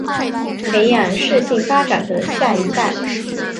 培养适性发展的下一代